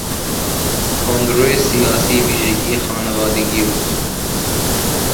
تندروی سیاسی، ویژگی خانوادگی اوست.